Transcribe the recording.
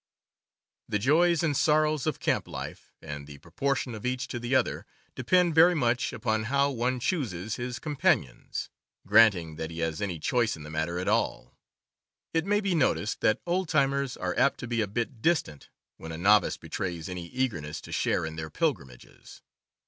The joys and sorrows of camp life, and the propor tion of each to the other, depend very much upon how one chooses his companions — granting that he has any choice in the matter at all. It may be noticed that old timers are apt to be a bit distant when a novice betrays any eagerness to share in their pilgrimages.